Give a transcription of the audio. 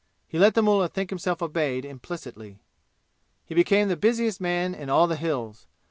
He let the mullah think himself obeyed implicitly. He became the busiest man in all the "Hills."